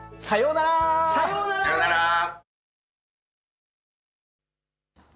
さようなら。